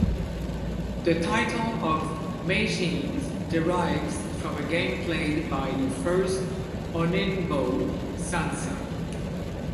The title of "Meijin" derives from a game played by the first Honinbo, Sansa.